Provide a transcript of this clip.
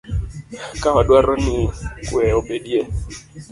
Ka wadwaro ni kuwe obedie